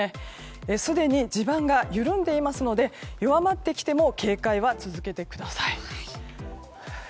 すでに、地盤が緩んでいますので弱まってきても警戒は続けてください。